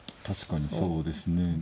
確かにそうですね。